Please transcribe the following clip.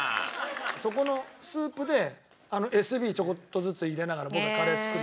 そこのスープでエスビーちょこっとずつ入れながら僕はカレーを作る。